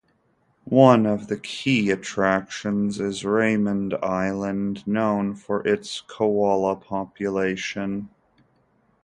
One of the key attractions is Raymond Island, known for its koala population.